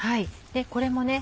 これもね